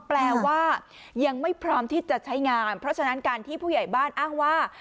แปลว่ายังไม่พร้อมที่จะใช้งานเพราะฉะนั้นการที่ผู้ใหญ่บ้านอ้างว่า